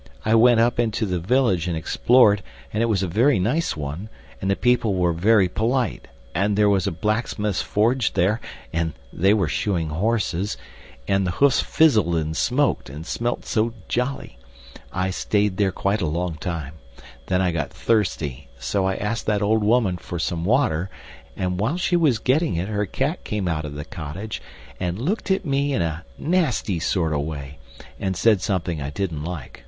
"I went up into the village and explored, and it was a very nice one, and the people were very polite. And there was a blacksmith's forge there, and they were shoeing horses, and the hoofs fizzled and smoked, and smelt so jolly! I stayed there quite a long time. Then I got thirsty, so I asked that old woman for some water, and while she was getting it her cat came out of the cottage, and looked at me in a nasty sort of way, and said something I didn't like.